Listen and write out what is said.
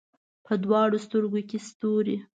په دواړو سترګو کې یې ستوري